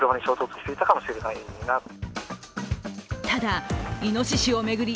ただ、いのししを巡り